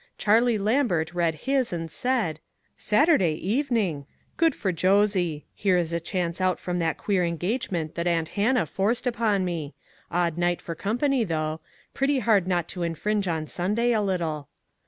Charlie Lambert read his and said: " Saturday evening ! Good for Josie ! Here is a chance out from that queer engagement that aunt Hannah forced upon me. Odd night for company, though. Pretty hard not to infringe on Sunday a little."